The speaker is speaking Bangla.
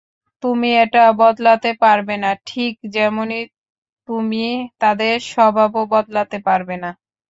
তুমি এটা বদলাতে পারবে না, ঠিক যেমনি তুমি তাদের স্বভাবও বদলাতে পারবে না।